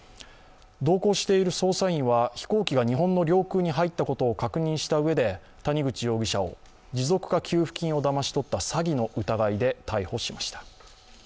同行している捜査員は飛行機が日本の領空に入ったことを確認したうえで谷口容疑者を持続化給付金をだまし取った詐欺の疑いで逮捕しました。